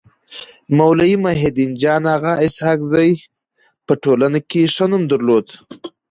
مولوي محي الدين جان اغا اسحق زي په ټولنه کي ښه نوم درلود.